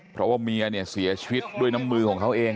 เพราะว่าเมียเนี่ยเสียชีวิตด้วยน้ำมือของเขาเอง